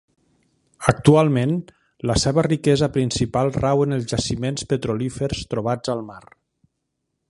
Actualment, la seva riquesa principal rau en els jaciments petrolífers trobats al mar.